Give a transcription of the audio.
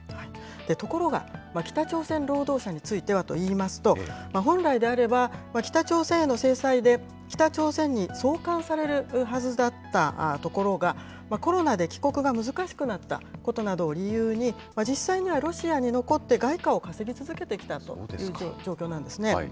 ところが、北朝鮮労働者についてはといいますと、本来であれば、北朝鮮への制裁で北朝鮮に送還されるはずだったところが、コロナで帰国が難しくなったことなどを理由に、実際にはロシアに残って、外貨を稼ぎ続けてきたという状況なんですね。